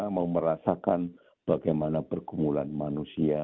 mau merasakan bagaimana pergumulan manusia